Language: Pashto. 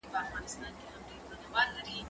زه پرون سينه سپين کړه؟